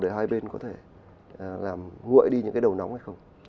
để hai bên có thể làm nguội đi những cái đầu nóng hay không